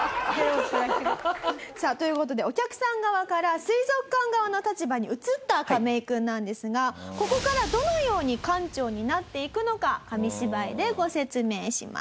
さあという事でお客さん側から水族館側の立場に移ったカメイ君なんですがここからどのように館長になっていくのか紙芝居でご説明します。